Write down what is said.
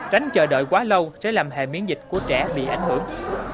tránh chờ đợi quá lâu sẽ làm hệ miễn dịch của trẻ bị ảnh hưởng